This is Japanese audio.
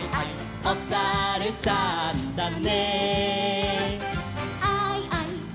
「おさるさんだね」